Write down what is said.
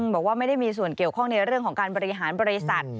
บอกว่าไม่ได้มีส่วนเกี่ยวข้องในเรื่องของการบริหารบริษัท